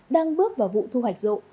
đang bước vào vụ thu hoạch rộ